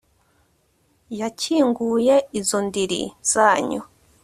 yakinguye izo ndiri zanyu